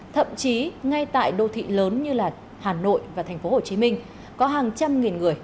thậm chí ngay tại đô thị lớn như hà nội và tp hcm có hàng trăm nghìn người